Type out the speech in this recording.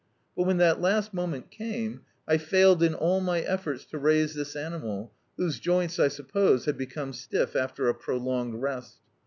But when that last moment came I failed in all my efforts to raise this animal, whose joints, I suppose, had become stiff after a prolonged rest.